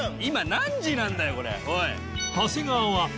今何時なんだよこれ。